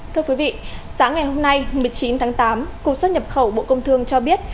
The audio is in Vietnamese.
thưa quý vị sáng ngày hôm nay một mươi chín tháng tám cục xuất nhập khẩu bộ công thương cho biết